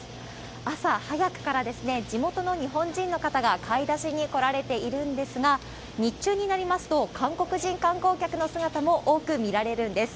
朝早くから、地元の日本人の方が買い出しに来られているんですが、日中になりますと、韓国人観光客の姿も多く見られるんです。